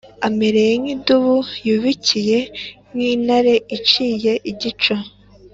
Amereye nk’idubu yubikiye, Nk’intare iciye igico.